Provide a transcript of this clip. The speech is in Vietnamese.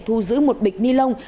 thu giữ một bịch ni lông